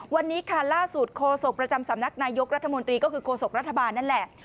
วันนี้ค่ะล่าสุดโคศกประจำสำนักนายกรัฐมนตรีก็คือโศกรัฐบาลนั่นแหละ